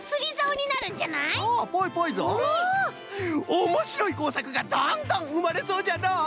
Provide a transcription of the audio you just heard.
おもしろいこうさくがどんどんうまれそうじゃのう。